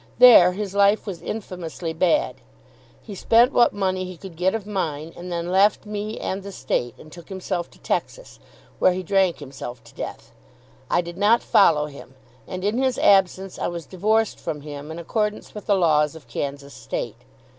There his life was infamously bad. He spent what money he could get of mine, and then left me and the State, and took himself to Texas; where he drank himself to death. I did not follow him, and in his absence I was divorced from him in accordance with the laws of Kansas State.